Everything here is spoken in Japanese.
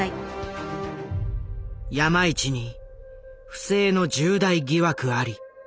山一に不正の重大疑惑あり。